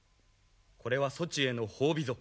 これはそちへの褒美ぞ。